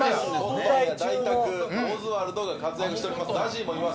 オズワルドなどがご活躍しております。